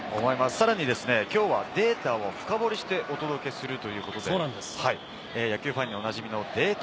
さらにきょうはデータを深堀りしてお届けするということで、野球ファンにはおなじみのデータ